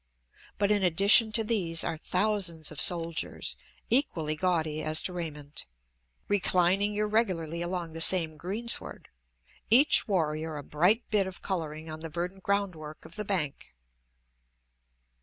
But in addition to these are thousands of soldiers, equally gaudy as to raiment, reclining irregularly along the same greensward, each warrior a bright bit of coloring on the verdant groundwork of the bank.